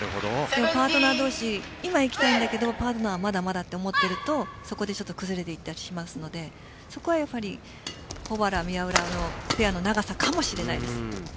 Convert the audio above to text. パートナー同士今、いきたいんだけどパートナーはまだまだと思っているとそこで崩れていたりしますのでそこは保原・宮浦のペアの長さかもしれないです。